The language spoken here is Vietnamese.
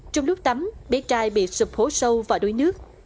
trong lúc tắm bé trai bị sụp hố sâu và đuối nước